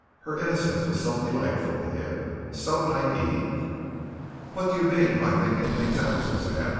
Her innocence was so delightful to him, so naïve. "What do you mean by thinking things out, Suzanne?"